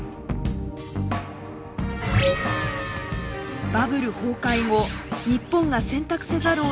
バブル崩壊後日本が選択せざるをえなかった安さ。